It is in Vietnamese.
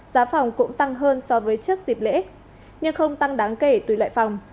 giá phòng cũng tăng hơn so với trước dịp lễ nhưng không tăng đáng kể tùy loại phòng